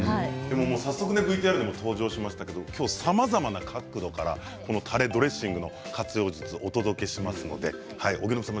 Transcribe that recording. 早速、ＶＴＲでも登場しましたけれども今日はさまざまな角度からたれやドレッシングの活用術をお伝えしますので、荻野目さん